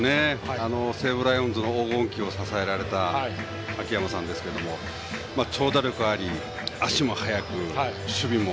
西武ライオンズの黄金期を支えられた秋山さんですが長打力があり、足も速く守備も。